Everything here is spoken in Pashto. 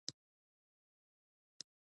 د اصل نسخې دریم استنساخ دی.